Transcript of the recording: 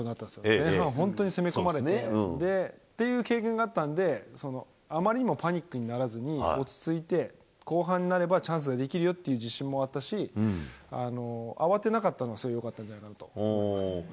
前半、本当に攻め込まれてて、で、っていう関係があったんで、あまりパニックにならずに、落ち着いて後半になればチャンスができるよっていう自信もあったし、慌てなかったのが、すごいよかったのかなと思います。